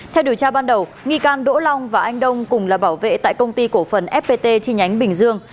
theo điều tra ban đầu nghi can đỗ long và anh đông cùng là bảo vệ tại công ty cổ phần fpt chi nhánh bình dương